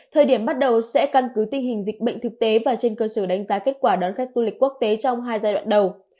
thời điểm bắt đầu sẽ căn cứ tình hình dịch bệnh thực tế và trên cơ sở đánh giá kết quả đón khách du lịch quốc tế trong hai giai đoạn đầu